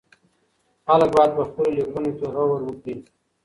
خلک بايد په خپلو ليکنو کې غور وکړي.